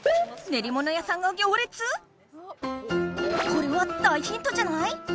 これは大ヒントじゃない？